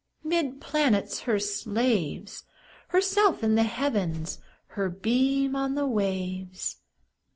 'Mid planets her slaves, Herself in the Heavens, Her beam on the waves.